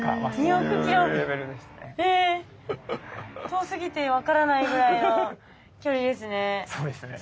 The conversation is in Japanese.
遠すぎて分からないぐらいの距離ですね。